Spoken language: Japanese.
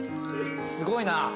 すごいなあ。